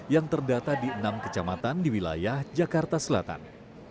yang terdata di enam kecamatan di wilayah jakarta selatan